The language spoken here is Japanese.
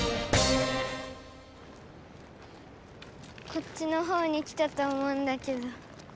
こっちのほうに来たと思うんだけど。